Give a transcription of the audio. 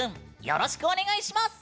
よろしくお願いします。